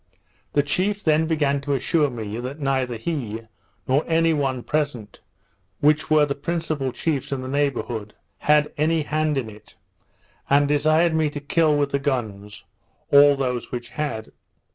The chief then began to assure me, that neither he, nor any one present (which were the principal chiefs in the neighbourhood) had any hand in it; and desired me to kill, with the guns, all those which had.